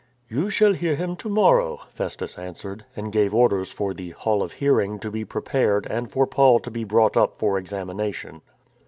" You shall hear him to morrow," Festus answered, and gave orders for the " Hall of Hearing " to be prepared and for Paul to be brought up for examina tion.